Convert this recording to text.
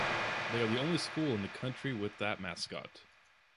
They are the only school in the country with that mascot.